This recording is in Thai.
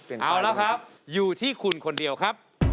เอาละครับอยู่ที่คุณคนเดียวครับ